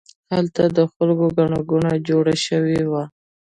هلته د خلکو ګڼه ګوڼه جوړه شوې وه.